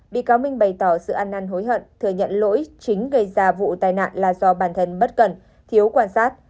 bị cáo minh bày tỏ sự ăn năn hối hận thừa nhận lỗi chính gây ra vụ tai nạn là do bản thân bất cần thiếu quan sát